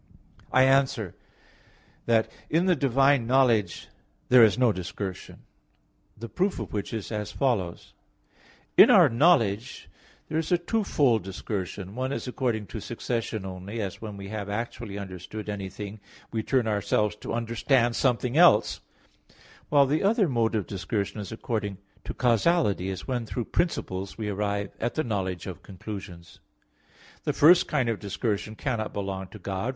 I answer that, In the divine knowledge there is no discursion; the proof of which is as follows. In our knowledge there is a twofold discursion: one is according to succession only, as when we have actually understood anything, we turn ourselves to understand something else; while the other mode of discursion is according to causality, as when through principles we arrive at the knowledge of conclusions. The first kind of discursion cannot belong to God.